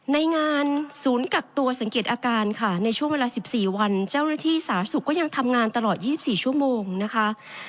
ในงานศูนย์กักตัวสังเกตอาการค่ะในช่วงเวลา๑๔วันเจ้าหน้าที่สาธารณสุขก็ยังทำงานตลอด๒๔ชั่วโมงนะคะ